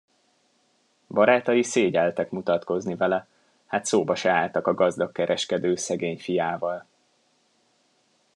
Barátai szégyelltek mutatkozni vele, hát szóba se álltak a gazdag kereskedő szegény fiával.